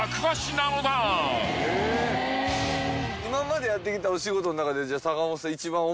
今までやってきたお仕事の中でじゃあ坂本さん。